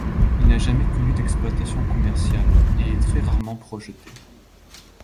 Il n'a jamais connu d'exploitation commerciale et est très rarement projeté.